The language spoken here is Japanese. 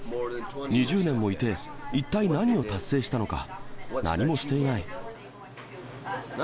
２０年もいて、一体何を達成したのか、何もしていない。